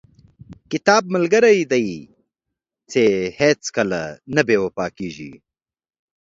• کتاب ملګری دی چې هیڅکله نه بې وفا کېږي.